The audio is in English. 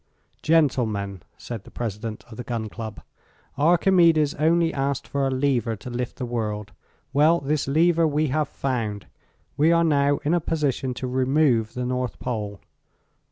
"Gentlemen," said the President of the Gun Club, "Archimedes only asked for a lever to lift the world. Well, this lever we have found. We are now in a position to remove the North Pole."